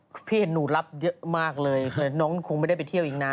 พี่เห็นหนูรับเยอะมากเลยน้องคงไม่ได้ไปเที่ยวอีกนะ